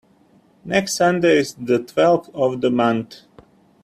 Next Sunday is the twelfth of the month.